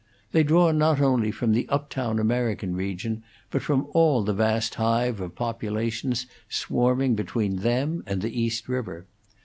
They draw not only from the up town American region, but from all the vast hive of populations swarming between them and the East River.